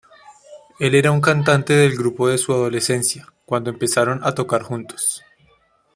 Él era un cantante del grupo de su adolescencia, cuando empezaron a tocar juntos.